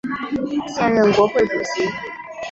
现任国会主席。